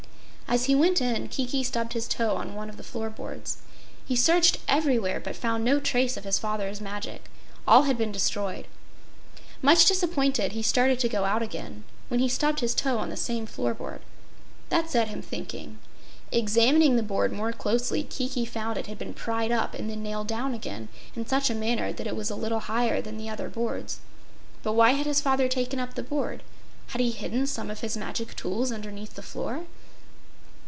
As he went in Kiki stubbed his toe on one of the floor boards. He searched everywhere but found no trace of his father's magic. All had been destroyed. Much disappointed, he started to go out again when he stubbed his toe on the same floor board. That set him thinking. Examining the board more closely, Kiki found it had been pried up and then nailed down again in such a manner that it was a little higher than the other boards. But why had his father taken up the board? Had he hidden some of his magic tools underneath the floor?